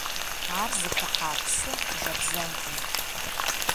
Ар зыхыхьа псы жэбзэнкъым.